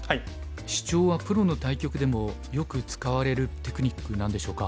シチョウはプロの対局でもよく使われるテクニックなんでしょうか？